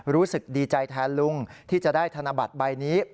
รู้สึกดีใจแทนลุงที่จะได้ธนบัตรใบนี้